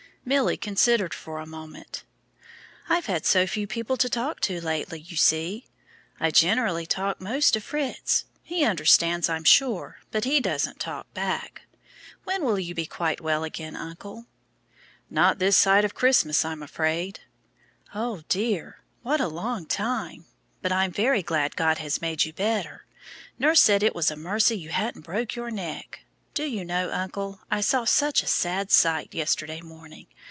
Milly considered for a moment. "I've had so few people to talk to lately, you see; I generally talk most to Fritz. He understands, I'm sure, but he doesn't talk back. When will you be quite well again, uncle?" "Not this side of Christmas, I'm afraid." "Oh dear, what a long time! But I'm very glad God has made you better. Nurse said it was a mercy you hadn't broken your neck. Do you know, uncle, I saw such a sad sight yesterday morning.